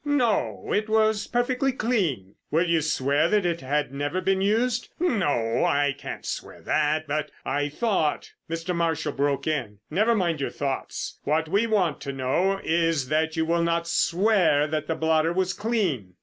"No, it was perfectly clean." "Will you swear that it had never been used?" "No, I can't swear that; but I thought——" Mr. Marshall broke in: "Never mind your thoughts; what we want to know is that you will not swear that the blotter was clean?